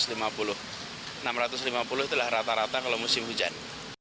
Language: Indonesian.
enam ratus lima puluh itu adalah rata rata kalau musim hujan